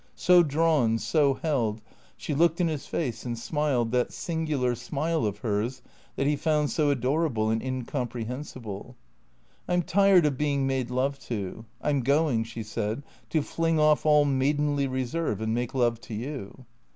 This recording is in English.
So drawn, so held, she looked in his face and smiled that singular smile of hers that he found so adorable and incom prehensible. " I 'm tired of being made love to. I 'm going," she said, " to fling off all maidenly reserve and make love to you."